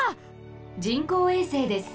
人工衛星です。